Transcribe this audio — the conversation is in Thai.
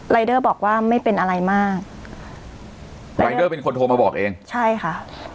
รายเดอร์บอกว่าไม่เป็นอะไรมากรายเดอร์เป็นคนโทรมาบอกเองใช่ค่ะ